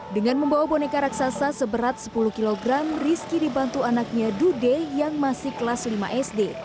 dengan membawa boneka raksasa seberat sepuluh kg rizky dibantu anaknya dude yang masih kelas lima sd